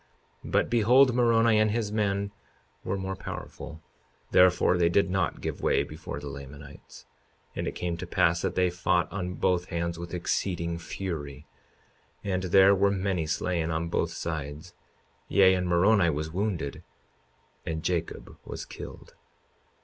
But behold, Moroni and his men were more powerful; therefore they did not give way before the Lamanites. 52:35 And it came to pass that they fought on both hands with exceeding fury; and there were many slain on both sides; yea, and Moroni was wounded and Jacob was killed.